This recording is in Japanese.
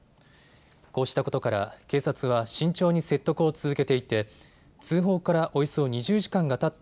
こうしたことから警察は慎重に説得を続けていて通報からおよそ２０時間がたった